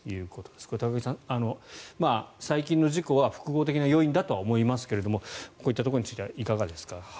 これ、高木さん、最近の事故は複合的な要因だとは思いますがこういったところについてはいかがですか。